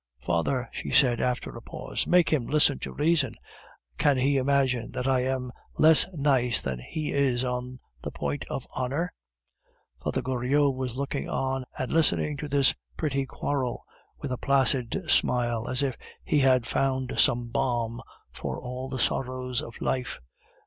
Father," she said after a pause, "make him listen to reason. Can he imagine that I am less nice than he is on the point of honor?" Father Goriot was looking on and listening to this pretty quarrel with a placid smile, as if he had found some balm for all the sorrows of life.